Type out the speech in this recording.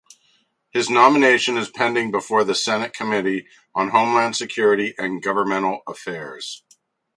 His nomination is pending before the Senate Committee on Homeland Security and Governmental Affairs.